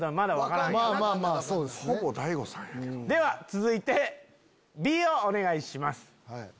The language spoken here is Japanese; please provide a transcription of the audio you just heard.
続いてＢをお願いします。